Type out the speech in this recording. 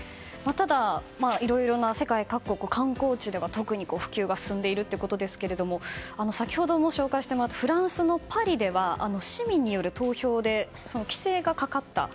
ただ、いろいろな世界各国の観光地では特に普及が進んでいるということですが先ほども紹介してもらったフランスのパリでは市民による投票で規制がかかった。